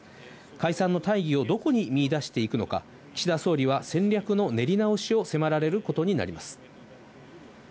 解散の大義をどこに見い出していくのか、岸田総理は戦略の練り直しを迫られることになります。